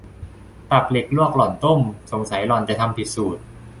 ตับเหล็กลวกหล่อนต้ม สงสัยหล่อนจะทำผิดสูตร